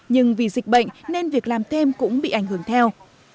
nhưng vì dịch bệnh nên việc làm thêm cũng bị ảnh hưởng theo